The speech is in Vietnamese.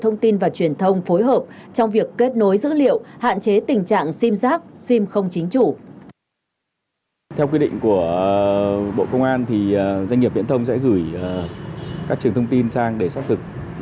thông tin và truyền thông phối hợp trong việc kết nối dữ liệu hạn chế tình trạng sim rác sim không chính chủ